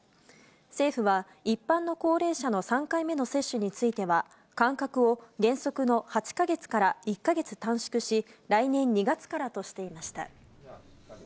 政府は、一般の高齢者の３回目の接種については、間隔を原則の８か月から１か月短縮し、来年２月からとしていました。